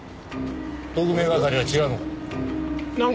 特命係は違うのか？